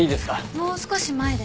もう少し前で。